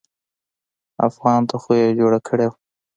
افغان ته خو يې جوړه کړې وه.